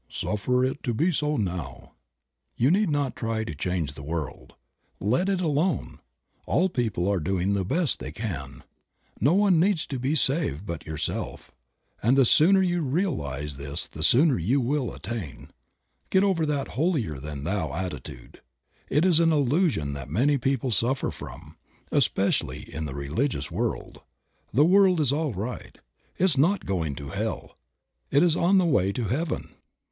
"Suffer it to be so now." You need not try to change the world. Let it alone; all people are doing the best they can. No one needs to be saved but yourself, and the sooner you realize this the sooner you will attain. Get over that "holier 44 Creative Mind. than thou" attitude. It is an illusion that many people suffer from, especially in the religious world. The world is all right; it is not going to Hell; it is on the way to Heaven.